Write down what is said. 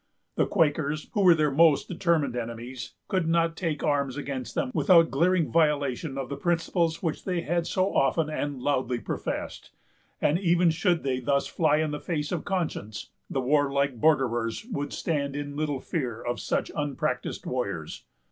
The Quakers, who were their most determined enemies, could not take arms against them without glaring violation of the principles which they had so often and loudly professed; and even should they thus fly in the face of conscience, the warlike borderers would stand in little fear of such unpractised warriors.